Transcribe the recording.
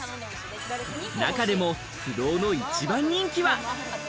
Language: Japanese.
中でも不動の一番人気は。